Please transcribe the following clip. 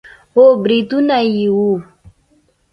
خو برېتونه يې وو.